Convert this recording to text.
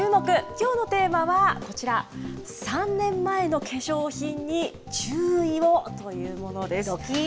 きょうのテーマはこちら、３年前の化粧品に注意をというものです。